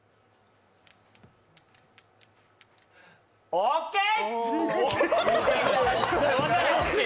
オーケー！